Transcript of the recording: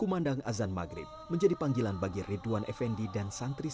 kumandang azan maghrib menjadi panggilan bagi ridwan effendi dan santri